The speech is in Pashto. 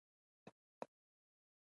ویډیوګانو ته دقیق نظر اړین دی.